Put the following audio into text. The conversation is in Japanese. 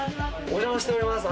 お邪魔しております。